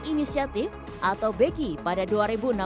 ibu nge digital neng lintas b kestengku menutup imu